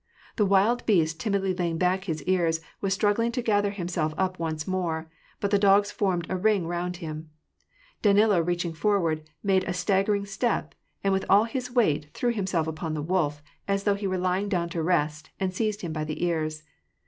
The wild beast, timidly laying back his ears, was stniggling to gather himself up once more ; but the dogs formed a ring round him. Danilo, reaching forward, made a staggering step, and with all his weight threw himself upon the wolf, as though he were lying down to rest, and seized him by the ears.